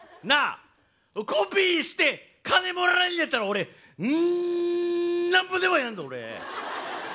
コピーして金もらえんやったら俺んなんぼでもやんぞ俺！